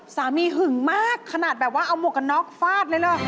หึงมากขนาดแบบว่าเอาหมวกกันน็อกฟาดเลยเหรอ